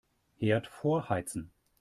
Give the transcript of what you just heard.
Herd vorheizen.